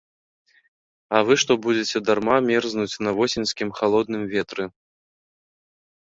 А вы што будзеце дарма мерзнуць на восеньскім халодным ветры?!